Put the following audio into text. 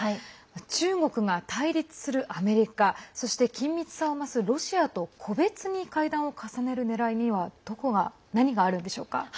中国が対立するアメリカそして緊密さを増すロシアと個別に会談を重ねるねらいには何があるのでしょうか。